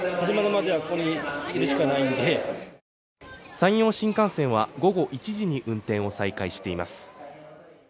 山陽新幹線は午後１時に運転を再開しています。